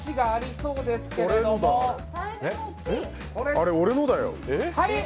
あれ、俺のだよ。